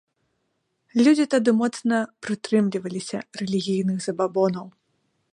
Людзі тады моцна прытрымліваліся рэлігійных забабонаў.